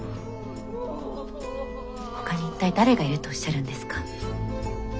ほかに一体誰がいるとおっしゃるんですか？